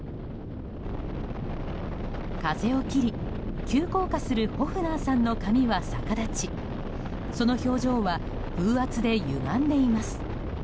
風を切り急降下するホフナーさんの髪は逆立ちその表情は風圧でゆがんでいます。